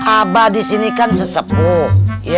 abah di sini kan sesepuh